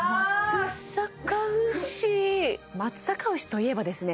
松阪牛といえばですね